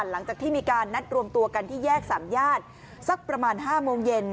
หลังจากที่มีการนัดรวมตัวกันที่แยกสามญาติสักประมาณ๕โมงเย็น